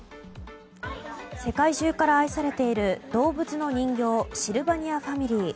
世界中から愛されている動物の人形シルバニアファミリー。